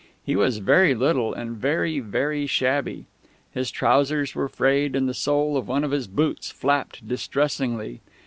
He was very little, and very, very shabby. His trousers were frayed, and the sole of one of his boots flapped distressingly.